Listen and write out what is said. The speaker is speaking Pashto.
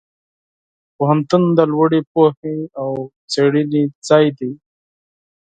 پوهنتون د لوړې پوهې او څېړنې ځای دی.